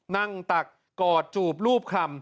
นั่งตักกอดจูบลูบคล้ำ